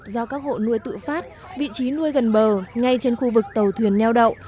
do các hộ nuôi tự phát vị trí nuôi gần bờ ngay trên khu vực tàu thuyền neo đậu